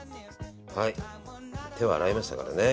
手を洗いましたからね。